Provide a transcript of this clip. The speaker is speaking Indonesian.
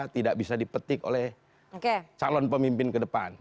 tidak bisa dipetik oleh calon pemimpin kedepan